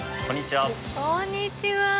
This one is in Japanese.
こんにちは。